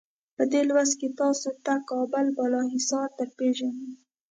په دې لوست کې تاسې ته کابل بالا حصار درپېژنو.